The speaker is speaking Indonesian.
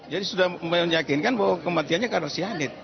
jadi sudah meyakinkan bahwa kematiannya karena syanid